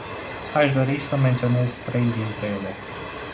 Aș dori să menționez trei dintre ele.